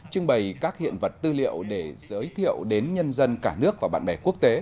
trưng bày các hiện vật tư liệu để giới thiệu đến nhân dân cả nước và bạn bè quốc tế